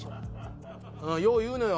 よう言うのよ